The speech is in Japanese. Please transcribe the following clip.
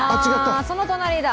その隣だ。